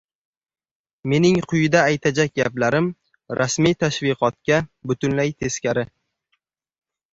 Mening quyida aytajak gaplarim, rasmiy tashviqotga butunlay teskari.